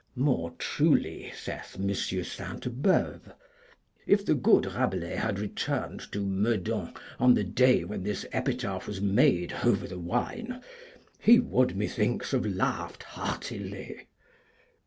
More truly saith M. Sainte Beuve, 'If the good Rabelais had returned to Meudon on the day when this epitaph was made over the wine, he would, methinks, have laughed heartily.'